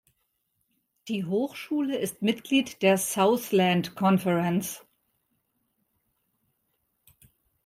Die Hochschule ist Mitglied der Southland Conference.